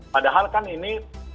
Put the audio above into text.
padahal kan ini